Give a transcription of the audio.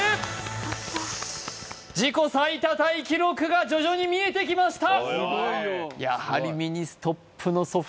よかった自己最多タイ記録が徐々に見えてきました